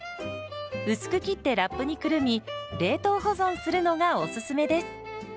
薄く切ってラップにくるみ冷凍保存するのがおすすめです。